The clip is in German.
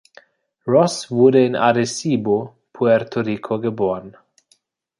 Ross wurde in Arecibo, Puerto Rico, geboren.